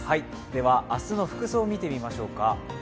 では、明日の服装を見てみましょうか。